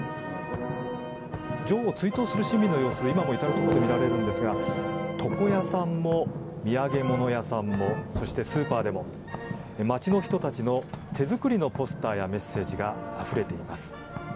女王を追悼する市民の様子が見られるんですが床屋さんも、土産物屋さんもそして、スーパーでも街の人たちの手作りのポスターやメッセージがあふれています。